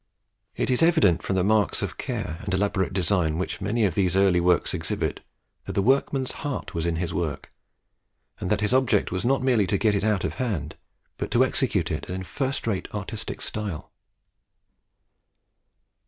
It is evident from the marks of care and elaborate design which many of these early works exhibit, that the workman's heart was in his work, and that his object was not merely to get it out of hand, but to execute it in first rate artistic style.